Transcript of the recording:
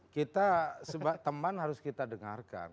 kita teman harus kita dengarkan